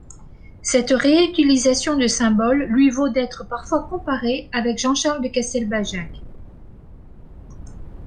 Cette réutilisation de symboles lui vaut d'être parfois comparé avec Jean-Charles de Castelbajac.